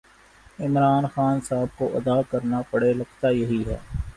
عمران خان صاحب کو ادا کرنا پڑے لگتا یہی ہے